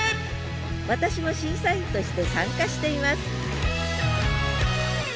私も審査員として参加しています！